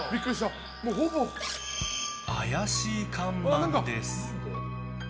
怪しい看板です。